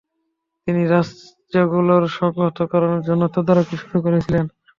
তিনি রাজ্যগুলোর সংহতকরণের জন্য তদারকি শুরু করেছিলেন।